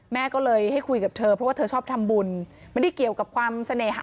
แม่ก็เลยให้คุยกับเธอเพราะว่าเธอชอบทำบุญไม่ได้เกี่ยวกับความเสน่หะ